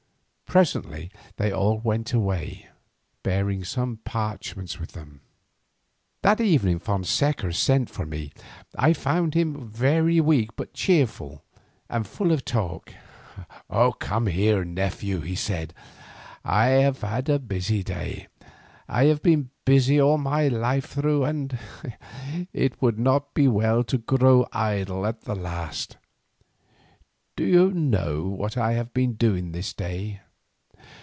Presently they all went away, bearing some parchments with them. That evening Fonseca sent for me. I found him very weak, but cheerful and full of talk. "Come here, nephew," he said, "I have had a busy day. I have been busy all my life through, and it would not be well to grow idle at the last. Do you know what I have been doing this day?"